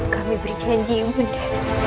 kami berjanji bunda